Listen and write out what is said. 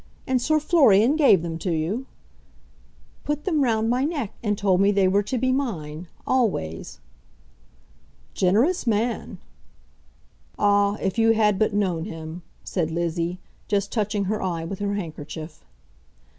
And Sir Florian gave them to you?" "Put them round my neck, and told me they were to be mine, always." "Generous man!" "Ah, if you had but known him!" said Lizzie, just touching her eye with her handkerchief.